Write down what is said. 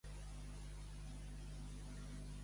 Per Sant Salvador, totes les polles i un cantador.